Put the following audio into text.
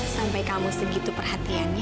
sampai kamu segitu perhatiannya